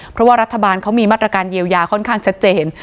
เพราะว่ารัฐบาลเขามีมาตรการเยียวยาค่อนข้างชัดเจน